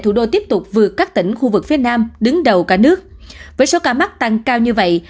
thủ đô tiếp tục vượt các tỉnh khu vực phía nam đứng đầu cả nước với số ca mắc tăng cao như vậy